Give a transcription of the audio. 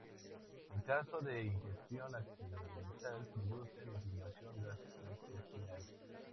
En caso de ingestión accidental producen inflamación gastrointestinal.